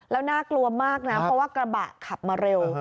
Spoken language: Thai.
แล้วน่ากลัวมากนะเพราะว่ากระบะขับมาเร็ว